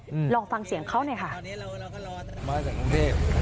อืมลองฟังเสียงเขาหน่อยค่ะตอนนี้เราเราก็รอแต่มาจากกรุงเทพ